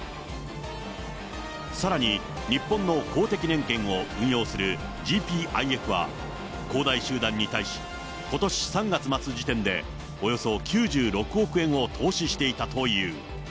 さらに、日本の公的年金を運用するＧＰＩＦは、恒大集団に対し、ことし３月末時点でおよそ９６億円を投資していたという。